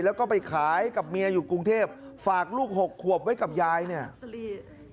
แล้วก็ไปขายกับเมียอยู่กรุงเทพฝากลูกหกขวบไว้กับยายเนี่ย